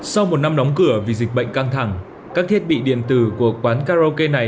sau một năm đóng cửa vì dịch bệnh căng thẳng các thiết bị điện tử của quán karaoke này